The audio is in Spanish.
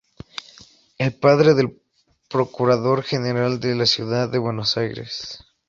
Es padre del procurador general de la ciudad de Buenos Aires.